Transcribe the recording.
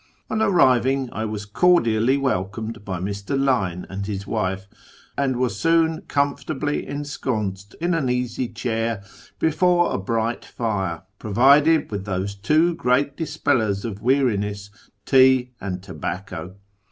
On arriving, I was cordially welcomed by Mr. Lyne and his wife, and was soon comfortably ensconced in an easy chair before a bright fire, provided with those two great dispellers of weariness, tea and tobacco.